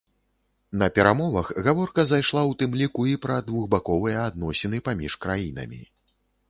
На перамовах гаворка зайшла ў тым ліку і пра двухбаковыя адносіны паміж краінамі.